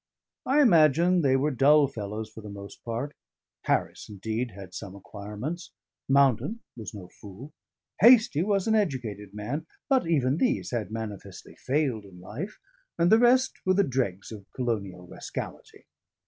I imagine they were dull fellows for the most part. Harris, indeed, had some acquirements, Mountain was no fool, Hastie was an educated man; but even these had manifestly failed in life, and the rest were the dregs of colonial rascality.